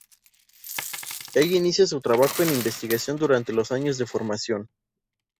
Ella inicia su trabajo en investigación durante los años de formación.